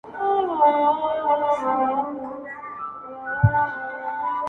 کور کي چوپتيا خپرېږي او فضا نوره هم سړه کيږي-